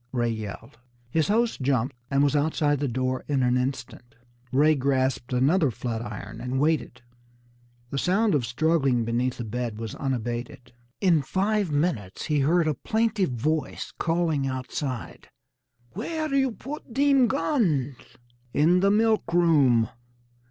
Ray yelled. His host jumped, and was outside the door in an instant. Ray grasped another flat iron and waited. The sound of struggling beneath the bed was unabated. In five minutes he heard a plaintive voice calling outside: "Where you put dem goons?" "In the milk room."